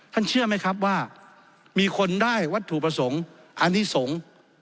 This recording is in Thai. เชื่อไหมครับว่ามีคนได้วัตถุประสงค์อันนี้สงฆ์